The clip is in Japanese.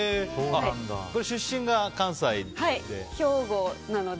出身が関西で。